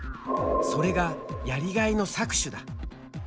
それがやりがいの搾取だ。